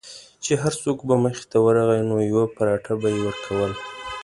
چې هر څوک به مخې ته ورغی نو یوه پراټه به یې ورکوله.